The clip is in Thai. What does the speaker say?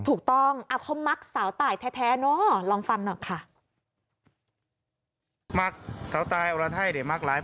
ถูกต้องเขามักสาวตายแท้เนอะลองฟังหน่อยค่ะ